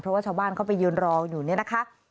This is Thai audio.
เพราะว่าชาวบ้านเขาไปยืนรออยู่เนี่ยนะคะ